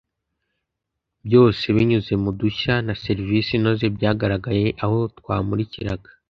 byose binyuze mu dushya na serivisi inoze byagaragaye aho twamurikiraga